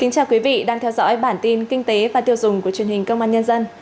chào mừng quý vị đến với bản tin kinh tế và tiêu dùng của truyền hình công an nhân dân